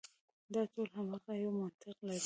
دا ټول هماغه یو منطق لري.